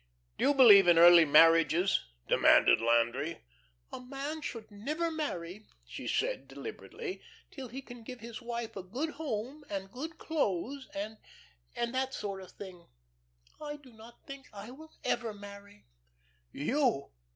"Do you believe in early marriages?" demanded Landry. "A man should never marry," she said, deliberately, "till he can give his wife a good home, and good clothes and and that sort of thing. I do not think I shall ever marry." "You!